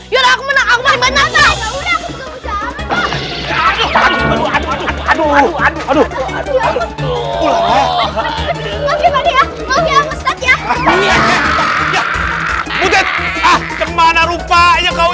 ya aku menang aku menang aduh aduh aduh aduh aduh aduh aduh aduh aduh aduh aduh aduh aduh aduh aduh